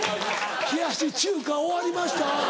冷やし中華終わりました